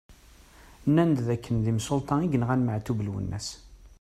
Nnan-d d akken d imsulta i yenɣan Maɛtub Lwennas.